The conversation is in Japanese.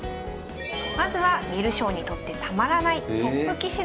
まずは観る将にとってたまらない